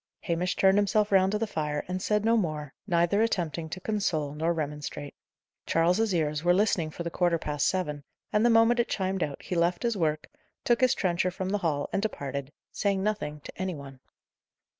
Hamish turned himself round to the fire, and said no more, neither attempting to console nor remonstrate. Charles's ears were listening for the quarter past seven, and, the moment it chimed out, he left his work, took his trencher from the hall, and departed, saying nothing to any one.